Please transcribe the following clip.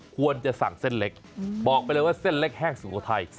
ควรจะสั่งเส้นเล็กบอกไปเลยว่าเส้นเล็กแห้งสุโขทัย